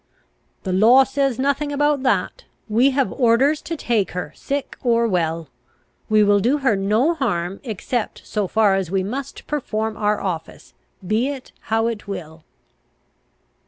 "The law says nothing about that. We have orders to take her sick or well. We will do her no harm except so far as we must perform our office, be it how it will."